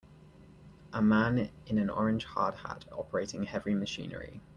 A man in an orange hard hat operating heavy machinery.